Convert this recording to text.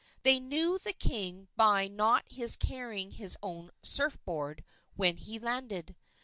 They knew the king by his not carrying his own surf board when he landed.